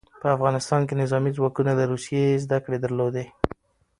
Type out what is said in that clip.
په افغانستان کې نظامي ځواکونه له روسیې زدکړې درلودې.